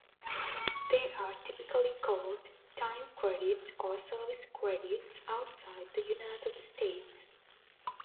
They are typically called "time credits" or "service credits" outside the United States.